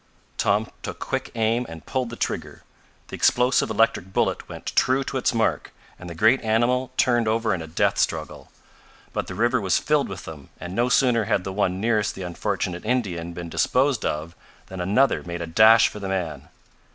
Tom took quick aim and pulled the trigger. The explosive electric bullet went true to its mark, and the great animal turned over in a death struggle. But the river was filled with them, and no sooner had the one nearest the unfortunate Indian been disposed of than another made a dash for the man.